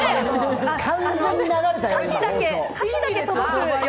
完全に流れたよ。